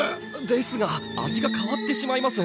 ですが味が変わってしまいます。